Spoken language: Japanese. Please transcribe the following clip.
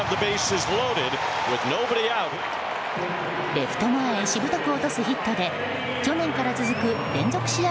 レフト前へしぶとく落とすヒットで去年から続く連続試合